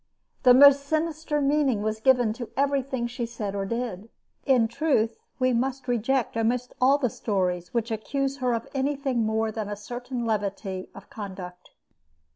The most sinister meaning was given to everything she said or did. In truth, we must reject almost all the stories which accuse her of anything more than a certain levity of conduct.